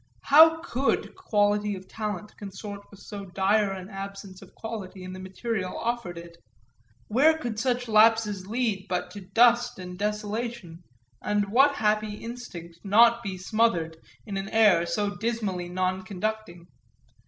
How could quality of talent consort with so dire an absence of quality in the material offered it? where could such lapses lead but to dust and desolation and what happy instinct not be smothered in an air so dismally non conducting?